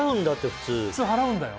普通払うんだよ。